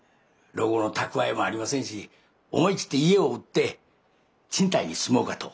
老後の蓄えもありませんし思い切って家を売って賃貸に住もうかと。